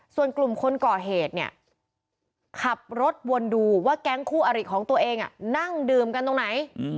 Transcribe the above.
ส่วนกลุ่มคนก่อเหตุเนี่ยขับรถวนดูว่าแก๊งคู่อริของตัวเองนั่งดื่มกันตรงไหน